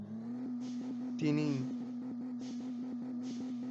তিনি ই!